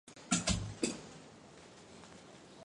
菱形小林介为真花介科小林介属下的一个种。